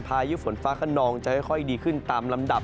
พายุฝนฟ้าขนองจะค่อยดีขึ้นตามลำดับ